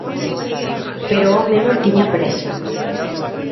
Pero o home non tiña présa.